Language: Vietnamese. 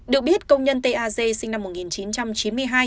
được biết công nhân t a g sinh năm một nghìn chín trăm chín mươi hai